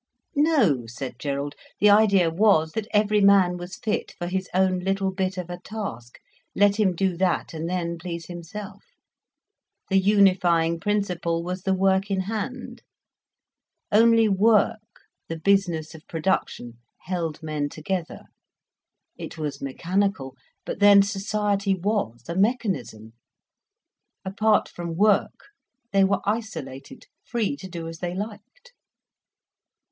No, said Gerald, the idea was, that every man was fit for his own little bit of a task—let him do that, and then please himself. The unifying principle was the work in hand. Only work, the business of production, held men together. It was mechanical, but then society was a mechanism. Apart from work they were isolated, free to do as they liked.